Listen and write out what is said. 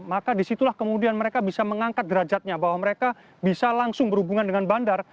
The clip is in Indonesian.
maka disitulah kemudian mereka bisa mengangkat derajatnya bahwa mereka bisa langsung berhubungan dengan bandar